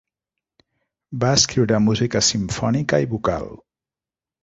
Va escriure música simfònica i vocal.